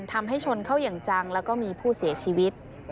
ชนเข้าอย่างจังแล้วก็มีผู้เสียชีวิต